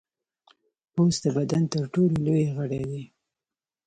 پوست د بدن تر ټولو لوی غړی دی.